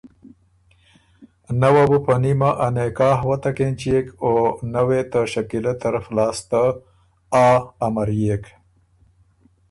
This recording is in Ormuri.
نۀ وه بُو په نیمه ا نکاح وتک اېنچيېک او نۀ وې ته شکیلۀ طرف لاسته ”آ“ امريېک